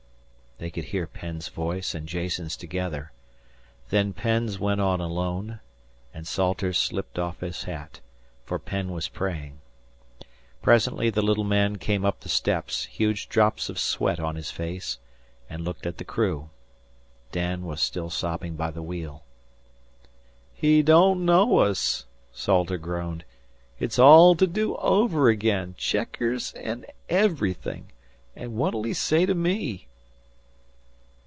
They could hear Penn's voice and Jason's together. Then Penn's went on alone, and Salters slipped off his hat, for Penn was praying. Presently the little man came up the steps, huge drops of sweat on his face, and looked at the crew. Dan was still sobbing by the wheel. "He don't know us," Salters groaned. "It's all to do over again, checkers and everything an' what'll he say to me?"